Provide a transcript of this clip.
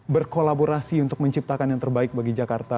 berkolaborasi untuk menciptakan yang terbaik bagi jakarta